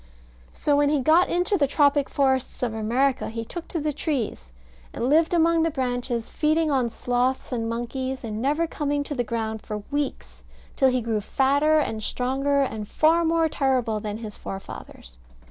So when he got into the tropic forests of America, he took to the trees, and lived among the branches, feeding on sloths and monkeys, and never coming to the ground for weeks, till he grew fatter and stronger and far more terrible than his forefathers.